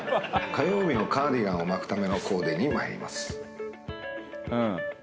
火曜日のカーディガンを巻くためのコーデにまいります。